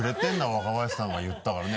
若林さんが言ったからね